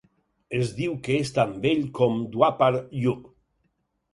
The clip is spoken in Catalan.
Es diu que és tan vell com Dwapar Yug.